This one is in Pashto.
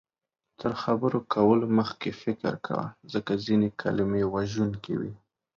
تر خبرو کولو مخکې فکر کوه، ځکه ځینې کلمې وژونکې وي